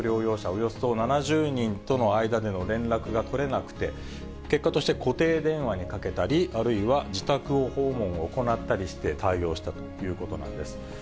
およそ７０人との間での連絡が取れなくて、結果として固定電話にかけたり、あるいは自宅訪問を行ったりして、対応したということなんです。